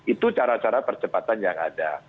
itu cara cara percepatan yang ada